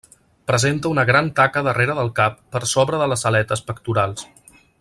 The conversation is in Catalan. Presenta una gran taca darrere del cap per sobre de les aletes pectorals.